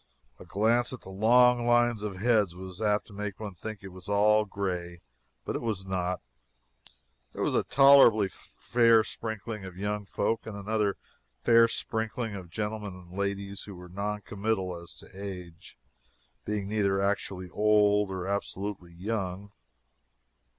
A glance at the long lines of heads was apt to make one think it was all gray. But it was not. There was a tolerably fair sprinkling of young folks, and another fair sprinkling of gentlemen and ladies who were non committal as to age, being neither actually old or absolutely young.